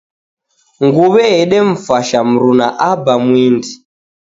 Nguw'e yedemfasha mruna aba mwindi.